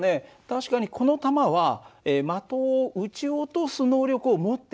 確かにこの弾は的を撃ち落とす能力を持っていた。